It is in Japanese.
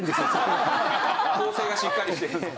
構成がしっかりしてます。